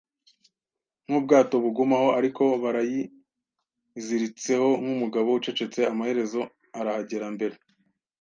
nk'ubwato bugumaho. Ariko yarayiziritseho nkumugabo ucecetse, amaherezo arahagera mbere